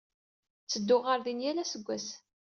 Ttedduɣ ɣer din yal aseggas.